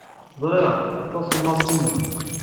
Ẓṛiɣ, d tasemmaḍt tinna.